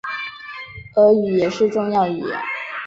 俄语也是重要语言。